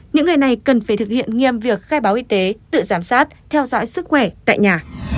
những người này cần phải thực hiện nghiêm việc khai báo y tế tự giám sát theo dõi sức khỏe tại nhà